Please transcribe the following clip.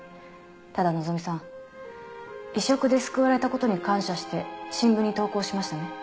ただ希美さん移植で救われたことに感謝して新聞に投稿しましたね。